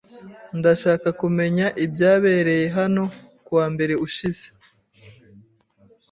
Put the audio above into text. Ndashaka kumenya ibyabereye hano kuwa mbere ushize.